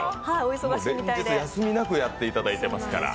休みなくやっていただいてますから。